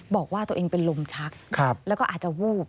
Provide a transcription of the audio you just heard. บอกว่าตัวเองเป็นลมชักแล้วก็อาจจะวูบ